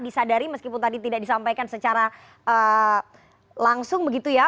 disadari meskipun tadi tidak disampaikan secara langsung begitu ya